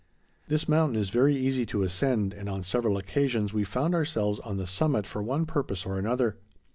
This mountain is very easy to ascend and on several occasions we found ourselves on the summit for one purpose or another.